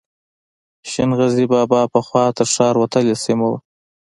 شین غزي بابا پخوا تر ښار وتلې سیمه وه.